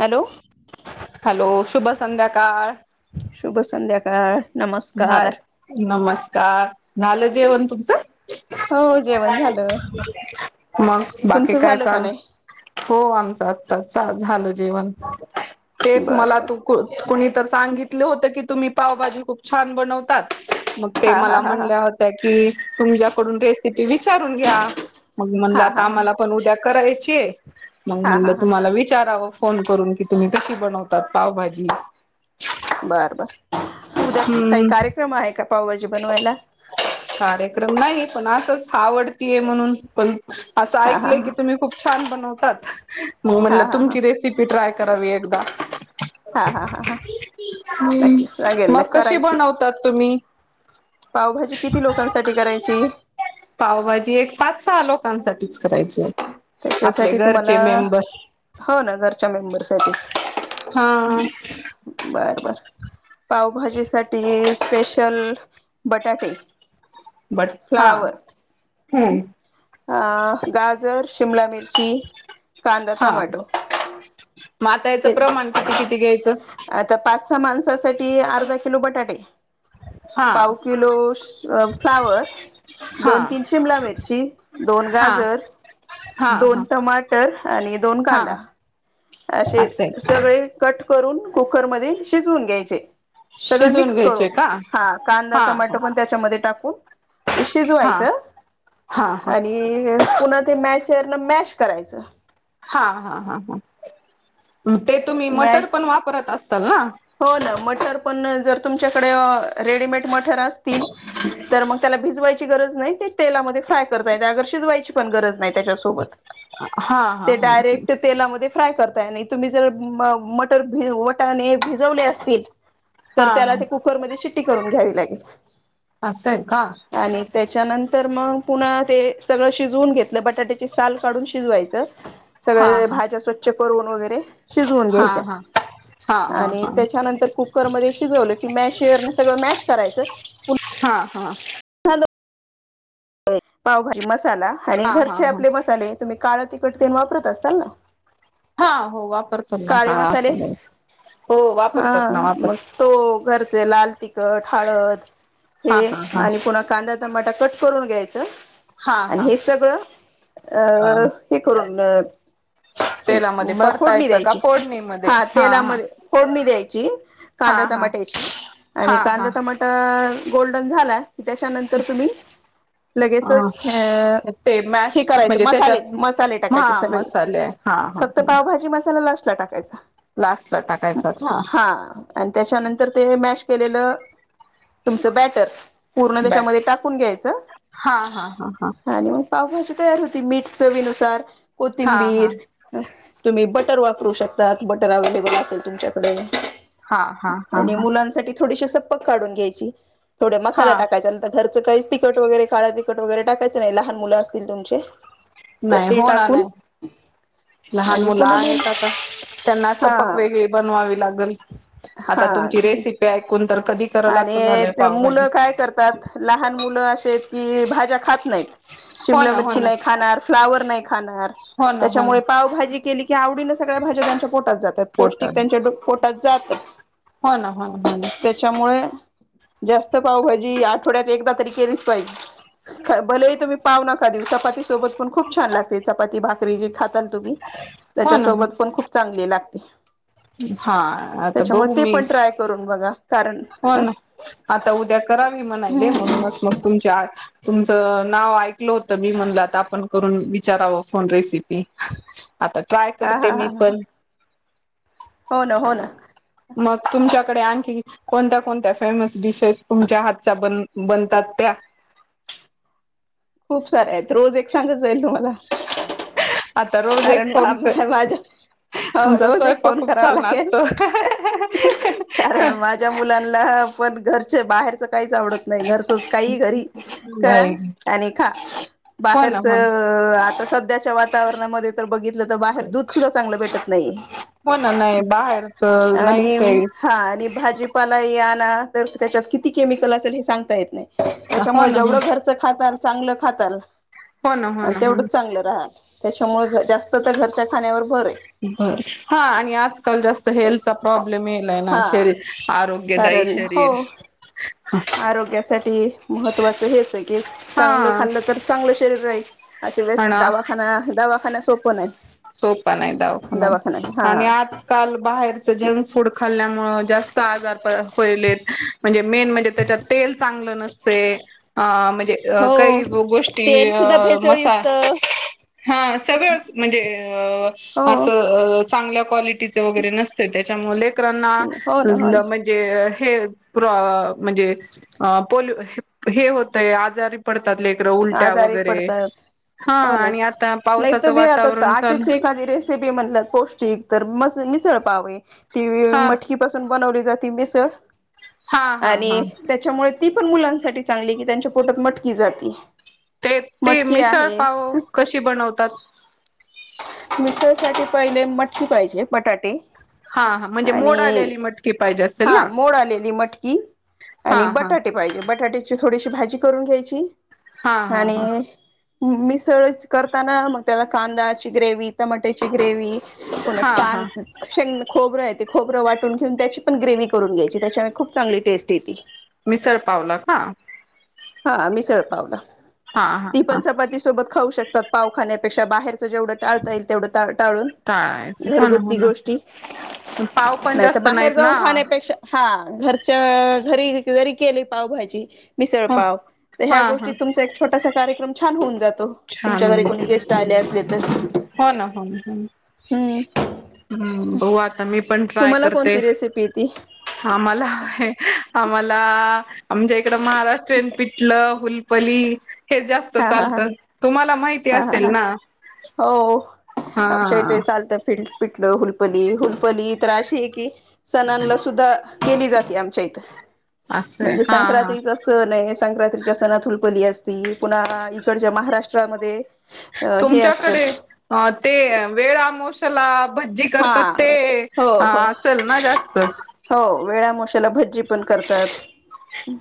Hello. Hello शुभ संध्याकाळ. शुभ संध्याकाळ. नमस्कार नमस्कार. झालं जेवण तुमचं? हो जेवण झालं [inaudible] मग बाकी तुमचं काय झालं का चाललंय? नाही हो, आमचं आत्ताच चा- झालं जेवण. तेच बर मला, बर तू कुणी तर सांगितलं होतं की तुम्ही पावभाजी खूप छान बनवतात. मग ते हा हा मला हा हा म्हणल्या होत्या, की तुमच्याकडून रेसिपी विचारून घ्या. मग म्हनलं, हा आता हा आम्हाला पण उद्या करायची हाय मग हा हा म्हणल, हा की हा तुम्हाला विचाराव फोन करून की तुम्ही कशी बनवतात? पावभाजी. बर बर. उद्या काही हम्म कार्यक्रम आहे का? पावभाजी बनवायला. कार्यक्रम नाही पण असंच, आवडतीय म्हणून पण असं हा हा ऐकलंय की, हा तुम्ही खूप छान बनवतात. मग हा म्हणलं हा तुमची रेसिपी ट्राय करावी एकदा. हा हा हा हा हम्, नक्कीच सांगेल मग ना कशी करायची बनवतात, तुम्ही? पावभाजी किती लोकांसाठी करायची [inaudible] पावभाजी एक पाच- सहा आलो. [unintelligible] करायची हाय. त्याच्यासाठी तुम्हाला, हो ना, घरच्या मेंबर साठीच. हा पावभाजी साठी स्पेशल बटाटे.. बट हा, फ्लावर हम्म. अ गाजर, शिमला मिरची, कांदा, हा टोमॅटो. मग आता याचं हे प्रमाण, किती किती घ्यायचं? [unintelligible] माणसासाठी, अर्धा किलो बटाटे. हा पाव किलो फ्लावर, हा दोन तीन शिमला मिरची, दोन हा गाजर, हा दोन हा टमाटर, आणि दोन हा कांदा. असे असं आहे सगळे कट करून, कुकरमध्ये शिजवून घ्यायचे. सगळ शिजवून मिक्स घ्यायचे करून, का हा, कांदा, हा टोमाॅटो पण त्याच्यामध्ये टाकू ते हा शिजवायचं. हा हा आणि पुन्हा ते मॅशरन मॅश करायचं. हा हा हा हा. ते तुम्ही मॅ मटर पण वापरत अस हो ना मटर पण जर तुमच्याकडे अ रेडीमेट मठर असतील, तर मग त्याला भिजवाची गरज नाही, तें तेलात मध्ये फ्राय करता येते अगर शिजवायची पण गरज नाही त्याच्यासोबत, हा हा ते हा डायरेक्ट तेलामध्ये फ्राय करताय नाही. तुम्ही जर मटर, वटाने भिजवले असतील तर हा त्याला हा ते कुकरमध्ये शिट्टी करून घ्यावी लागेल. असं आहे का आणि त्याच्यानंतर मग पुन्हा ते सगळं शिजवून घेतलं. बटाट्याची साल काढून शिजवायचं. हा सगळे हा भाज्या स्वच्छ करून वगैरे, शिजवून हा घ्यायच्या, हा हा हा आणि हा त्यानंतर कुकर मध्ये शिजवलं, की मॅशअर ने सगळं मॅश करायचं हा हा.. पुन्हा पावभाजी मसाला, आणि हा घरचे हा आपले मसाले, तुम्ही काळ तिकट ते न वापरत असाल ना? हा हो वापर तो ना, काळे काळा, मसाले असं ब हा. मग तो घर ते लाल तीखट, हळद, हे हा हा हा पु्हा कांदा टमाटर करून घ्यायचं हा आणि हा हे सगळं अ अं हे करून तेलामध्ये म फोडणी परतायचं का द्यायची फोडणीमध्ये हा हा तेलामध्ये फोडणी द्यायची कांदा हा हा टमाटा आणि हा कांदा हा टमाटा गोल्डन झाला की त्याच्यानंतर तुम्ही लगेचच अ ते हे मॅश करायचं म्हणजे मसाले त्याच्यात मसाले हा टाकायचे सगळे मसाले हा फक्त हा पावभाी मसाला ला असटला टाकायचा लास्ट ला टाकायचा का हा त्याच्यानंतर ते म केलेलं तुमचं बॅटर पूर्ण बॅट त्याच्यामध्ये टाकून घ्यायचं हा हा हा हा जी तयार होती मीठ चवीनुसार हा हा हा कोथिंबीर तुम्ही बटर वापरू शकतात बटर अवे्हेलेबल असेल तुमच्याकडे हा हा हा हा ोक काून घ्याय थो हा मसाला टाकायंतर घरचं का तट काळ तखट वगैरे टाकायचं नाही लहान मुलं असतील तुमचे तर नाही ते हो ना टाकून नाही लहान आणि मुलं पुन्हा मग आहेत आता त्यांना हा सपक वेगळी बनवावी लागली आ त हा क आणि मुलं काय करतात लहान मुलं असशी आहेत की भाज्या खात नाहीत हो शिमला ना हो मिरची ना नाही खाणार फ्लावर नाही खाणार हो ना हो ना त्याच्यामुळे पावभजी केली की आवडीने सगळ्या भाज्या त्यांच्या पोटात जातात पोट पौष्टिक त्यांच्या पोटात सात हो ना हो ना हो ना त्याच्यामुळे जास्त पावभाजी आठवड्यात एकदा तरी केलीच पाहिजे भले तुम्ही पाव नका दिव चपाती सोबत पण खूप छान लागते चपाती भाकरी जे खाताना तु हो ना हो त्याच्यासोबत पण खूप चांगली लागते हा आता त्याच्यामुळे बघू ते मी पण ट्राय करून बघा कारण हो ह ना आता उद्या करावी म्हणायले म्हणूनच मग तुमच्या तुमचं नाव ऐकलं होतं मी म्हणला तर आपण करून विचारावं फोन रेसिपी आता ट्राय हा करते हा मी हा ह पण हो ना हो ना क कोणत्या कोणत्या फेमस डिशेस तुमच्या हातच्या ब बनतात त्या खूप सारे आहेत रोज एक सांगत जाईल तुम्हाला आता रोज एक कारण बा फोन कर माझ्या हो तुमचा रोज एक स्वयंपाक फोन खूप करावा छान लागेल असतो कारण माझ्या मुलांना पण घरचे बाहेरच काहीच आवडत नाही घर त काही घरी हो करा ना आणि बाहेरच हो ना आता सध्याच्या वातावरणामध्ये बघित तर बाहेर दूध सुधा चांगलं भेटत नाही हो ना नाही बाहेरच आणि नाहीच आहे हा आणि भाजीपालाय क य त्या हो ना हो जेव घरच खात चांगलं खाताल हो ना हो आणि ना हो ना तेवढंच चांगलं राहाल त्याच्यामुळे जास्त तर घरच्या खाण्यावर भर आहे बरं हा आणि आजकाल जास्त हेल्थचा प्रॉब्लेम येलाय ना हा शरीर आरोग्यदायी कारण शरीर हो शरीर आरोग्यासाठी महत्त्वाचं हेचय की हा चांगलं खाल्लं तर चांगलं शरीर राहील अशे वेळेस दवाखाना दवाखाना सोपं नाही. सोप नाही दवाखाना आणि आजकाल बाहेरच जंक फूड खाल्ल्यानं मुळं जास्त आजार होयलेत म्हणजे मेन म्हणजे त्याच्यात तेल चांगलं नसते म्हणजे हो काही गोष्टी तेल अं सुद्धा भेसळ युक्त हा सगळंच म्हणजे हो अस चांगल्या क्वालटीच वगैरे नसतय त्याच्यामुळे लय रांना हो [unintelligible] ना हो ना म्हणजे हे म्हणजे पोल हे होतय आजारी पड [unintelligible] पडतात लेकरं उलट्या आजारी वगैरे पडतात हा आणि आता पावसाचं वातावरण चालू चीच एखादी रेसिपी म्हटलं पौष्टिक तर म मिसळ पावय ती हा मटकी पासून बनवली जाते मिसळ हा हा हा आणि त्याच्यामुळे ती पण मुलांसाठी चांगली की त्यांच्या पोटात मटकी जाती ते ते मटकी मिसळ आहे पाव कशी बनवतात? मिसळसाठी पहिले मटकी पाहिजे बटाटे हा हा म्हणजे मोड आणि आलेली मटकी पाहिजे असेल ना हा मोड आलेली मटकी हा आणि हा बटाटे पाहिजे बटाट्याची थोडीशी भाजी करून घ्यायची हा हा हा आणि मिसळच करताना मग त्याला कांदाची ग्रेवी टमाट्याची ग्रेवी पुन्हा हा कां हा शेंग खोबरं ते खोबरं वाटून घेऊन त्याची पण ग्रेवह करून घ्यायची त्याच्यामुळे खूप चांगली टेस्ट येती मिसळ पावला का? हा मिसळ पावला हा हा ती हा पण चपाती सोबत खाऊ शकतात पावखाण्यापेक्षा बाहेरच जेवढं टाळता येईल तेवढं टाळून टाळायचं हो ना हो घरगुती ना गोष्टी पाव पण नाही तर जास्त बाहेर नाहीत जाऊन ना खाण्यापेक्षा हा घरच्या घरी जरी केली पाव भाजी मिसळ हो पाव तर ह्या हा हा गोष्टी तुमच्या असा कार्यक्रम छान होऊन जातो छान तुमच्या घरी होईल कोणी गेस्ट आले असले तर हो ना हो ना हम्म हम्म बघू आता मी पण ट्राय तुम्हाला करते कोणती रेसिपी ती आम्हाला आम्हाला आमच्या इकडं महाराष्ट्रीयन पिटलं हुलपली हे जास्त हा हा हा चालतं तुम्हाला माहिती हा हा असेल हा ना? हो हा आमच्या इथे चालतं फील्ड पिटलं हुलपली हुलपली तर अशी आहे की सणला सुद्धा केली जाते आमच्या इथं असं आहे म्हणजे हा हा संक्रांतीचा सणय संक्रातीच्या सणात हुलपली असती. पुन्हा इकडच्या महाराष्ट्रामध्ये अ हे तुमच्याकडे असतं ते वेळ आमोशेला भज्जीं हा करतात ते हो हो असेल ना जास्त? जे पण करतात.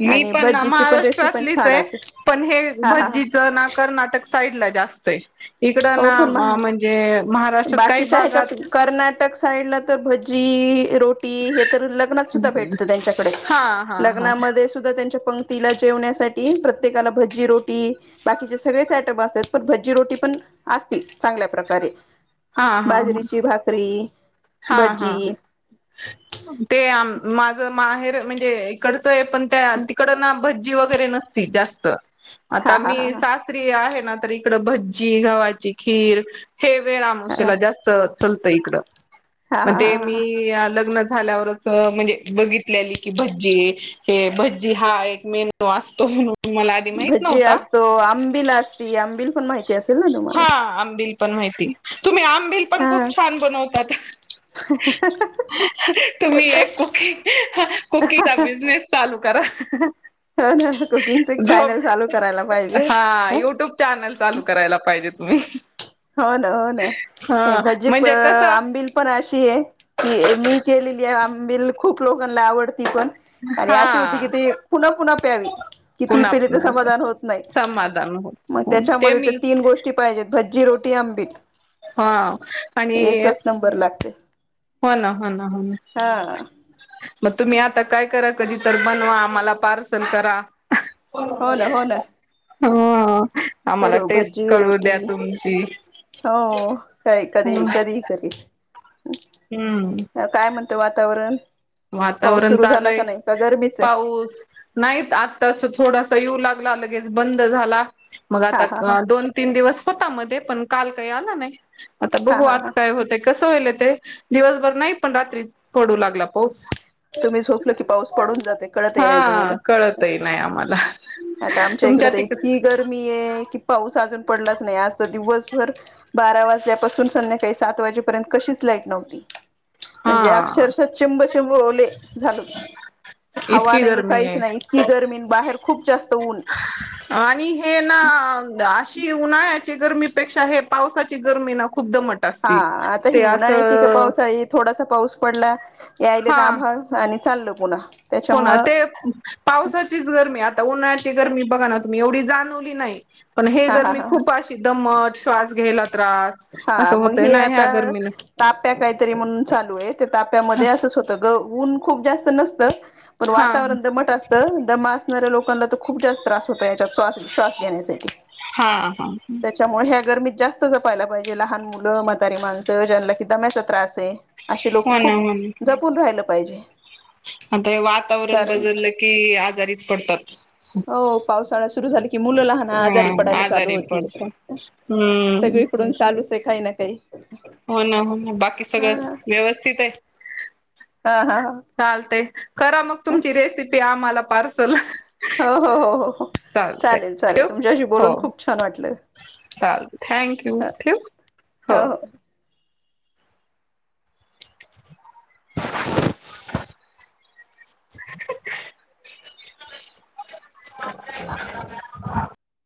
मी आणि पण ना भज्जीची पण रेसिपी पण छान महाराष्ट्रातलीचय, असते पण हे हा हा हा भज्जीचं ना कर्नाटक साईड ला जास्तय इकडं हो ना पण महा म्हणजे महाराष्ट्रात काही भागात र्नाटक साईड ला तर भज्जीं रोटी हे तर लग्नात सुद्धा भेटत त्यांच्याकडे हा हा हा लग्नामध्ये सुद्धा त्यांच्या पंक्तीला जेवण्यासाठी प्रत्येकाला भजी रोटी बाकीचे सगळेच आयटम असतात पण भजी रोटी पण असती चांगल्या प्रकारे हा हा बाजरीची भाकरी हा हा भजी ते माझ माहेर म्हणजे इकडं चय पण त्या तिकडं ना भज्जीं वगैरे नसती जास्त आता हा हा हा मी हा सासरी आहे ना तर इकडं भज्जी, गव्हाची खीर हे वेळ हा आमोशाला जास्त चलतंय इकड हा म्हण हा ते हा मी लग्न झाल्यावर म्हणजे बघितलेलं की भजी हे भजी हा एक मेनू असतो म्हण भजी असतो आंबिल असती आंबिल पण माहिती असेल ना तुम्हाला हा आंबिल पण माहिती तुम्ही आंबिल पण हा खूप छान बनवतात तुम्ही एक कुकी कुकीचा बिजनेस चालू करा हो ना कुकिंगच एक चॅनल चालू करायला पाहिजे हा हो युट्यूब चॅनल चालू करायला पाहिजे तुम्ही हो ना हो ना, हा भजी प म्हणजे कसं आंबिल पण अशीये की मी केली केलेली खूप लोकांना आवडती पण आणि अशी होती की, हा ते पुन्हा पुन्हा प्यावी कि ती पुन्हा पेले त, पुन्हा ते समाधान होत नाही. समाधान मग होत त्याच्यामध्ये ते मी तीन गोष्टी पाहिजेत भजी रोटी आंबिल हा आणि एकच नंबर लागते. हो ना, हो ना, हो ना. हा मग तुम्ही आता काय करा, कधी तर बनवा, मला पार्सल करा. हो ना हो ना हो. आम्हाला करू टेस्ट भज्जी करू रोटी द्या तुमची. हो काय कधी कधी कधी हम्म. काय म्हणतं वातावरण. पाऊस वातावरण सुरू झाला चालूये का नाही का गरमीच आहे पाऊस नाहीत आत्तास थोडासा येऊ लाग ला लगेच बंद झाला मग हा आता हा हा दोन, तीन दिवस होता मध्ये पण काल काही आला नाही, आता हा बघू हा हा आज काय होतय, कसं व्हायलय ते. दिवसभर नाही पण रात्री पडू लागला पाऊस. तुम्ही झोपलं की पाऊस पडून जाते कळतही नाही हा तुम्हाला कळतही नाही आम्हाला. आता आमच्या इकडे तुमच्या तर तिकड इतकी गर्मीये कि पाऊस अजून पडलाच नाही आज तर दिवसभर बारा वाजल्यापासून संध्याकाळी सात वाजेपर्यंत कशीच लाईट नव्हती. म्हणजे हा अक्षरशः चिंबचिंब ओले झालो. हवा इतकी नाही गरमी काहीच आहे. नाही इतकी गर्मीन बाहेर खूप जास्त ऊन आणि हे ना ची उन्हाळ्याची गरमीपेक्षा हे पावसाची गरमी न हा आता ही उन्हाळ्यायची का पावसाळी थोडासा पाऊस पडला याईलेत आभाळ आणि चालल पुन्हा. होणा त्याच्यामुळं ते पावसाचीच गरमी आता उन्हाळ्या ळ्याची गरमी बघा ना तुम्ही एवढी जाणवली नाही पण हे हा हा गरमी हा खूप अशी दमट श्वास घ्यायला त्रास हा असं मग होतय हे ना आता ह्या गरमीन ताप्या काहीतरी म्हणून चालूये त्या ताप्यामध्ये असच होतं, ग ऊन खूप जास्त नसतं पण हा वातावरण दमट असतं दमास असणाऱ्या लोकांना तर खूप जास्त त्रास होत याच्यात, श्वास श्वास घेण्यासाठी. हा हा. त्याच्यामुळे ह्या गरमीत जास्त जपायला पाहिजे लहान मुलं म्हातारी माणसं ज्यांना की दम्याचा त्रासे. असे हो लोक ना खूप हो ना जपून राहिलं पाहिजे. आता वातावरण कारण बदललं की आजारीच पडतात. हो पावसाळा सुरु झाला की मुलं लहान हा आजारी पडायला चालू आजारी होतील. पडतात. हम्म सगळीकडून चालूचे काही ना काही हो ना हो ना बाकी हा सगळं व्यवस्थिते. हा हा हा. चालतंय करा मग तुमची रेसिपी आम्हाला पार्सल. हो हो हो हो हो चालतय चालेल चालेल तुमच्याशी बोलून खूप छान वाटलं. चालतंय थँक यू ठेवू. हो. [inaudible] [inaudible]